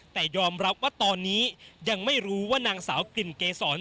แต่ยอมรับว่าตอนนี้ยังไม่รู้ว่านางสาวกลิ่นเกษร